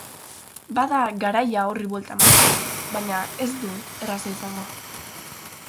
Bada garaia horri buelta emateko, baina ez du erraza izango.